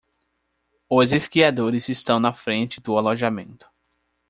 Os esquiadores estão na frente do alojamento.